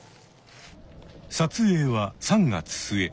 撮影は３月末。